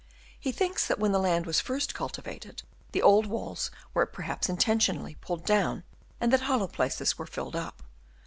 He thinks that when the land was first cultivated the old walls were perhaps intentionally pulled down, and that hollow places were filled up.